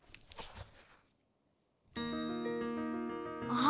あ！